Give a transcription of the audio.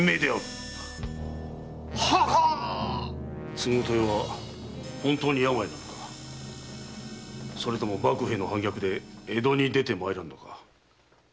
継豊は本当に病なのかそれとも幕府への反逆で江戸に出てまいらぬのか。